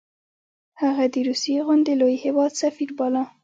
هغه د روسیې غوندې لوی هیواد سفیر باله.